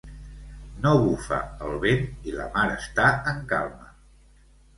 No bufa el vent i la mar està en calma.